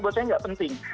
buat saya tidak penting